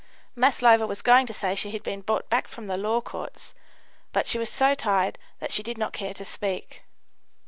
Maslova was going to say she had been brought back from the Law Courts, but she was so tired that she did not care to speak.